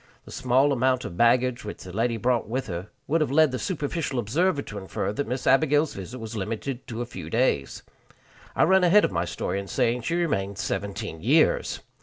The small amount of baggage which the lady brought with her would have led the superficial observer to infer that Miss Abigail's visit was limited to a few days. I run ahead of my story in saying she remained seventeen years!